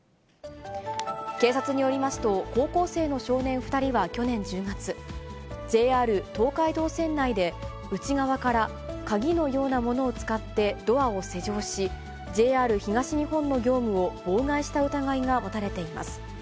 警察によりますと、高校生の少年２人は去年１０月、ＪＲ東海道線内で、内側から鍵のようなものを使ってドアを施錠し、ＪＲ東日本の業務を妨害した疑いが持たれています。